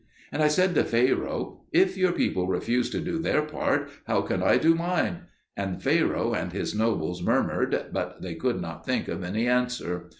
And I said to Pharaoh, "If your people refuse to do their part, how can I do mine?" And Pharaoh and his nobles murmured, but they could not think of any answer.